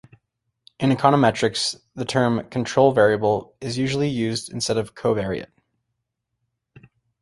In econometrics, the term "control variable" is usually used instead of "covariate".